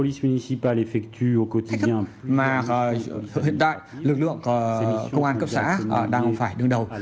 thách thức mà hiện tại lực lượng công an cấp xã đang phải đứng đầu